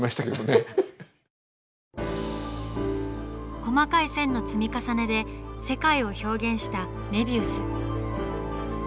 細かい線の積み重ねで「世界」を表現したメビウス。